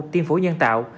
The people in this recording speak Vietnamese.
tiên phố nhân tạo